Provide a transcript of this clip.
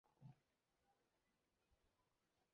巴勒斯坦历史悠久。